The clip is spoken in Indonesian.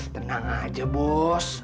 tenang aja bos